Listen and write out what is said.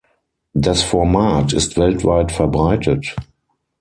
Das Format ist weltweit verbreitet.